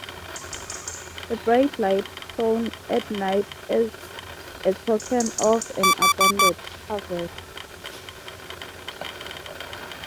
A bright light shone at night as a token of an abundant harvest.